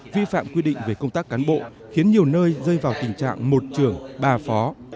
vi phạm quy định về công tác cán bộ khiến nhiều nơi rơi vào tình trạng một trưởng ba phó